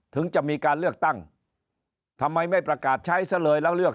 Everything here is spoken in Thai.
ถึงจะมีการเลือกตั้งทำไมไม่ประกาศใช้ซะเลยแล้วเลือก